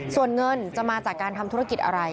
ส่วนเงินจะมาจากการทำธุรกิจอะไร